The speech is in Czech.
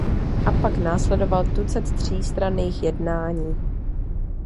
A pak následoval tucet třístranných jednání.